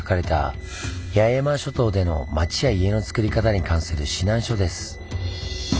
八重山諸島での町や家のつくり方に関する指南書です。